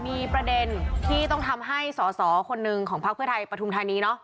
มีประเด็นที่ต้องทำให้สอสอคนหนึ่งของพักเพื่อไทยปฐุมธานีเนอะ